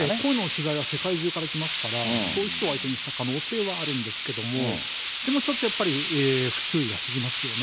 取材は世界中から来ますから、そういう人を相手にした可能性はあるんですけども、でもちょっとやっぱり不注意がすぎますよね。